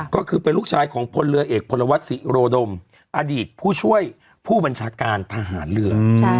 ก็คือเป็นลูกชายของพลเรือเอกพลวัฒนศิโรดมอดีตผู้ช่วยผู้บัญชาการทหารเรือ